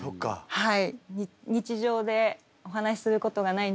はい。